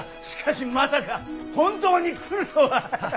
しかしまさか本当に来るとは。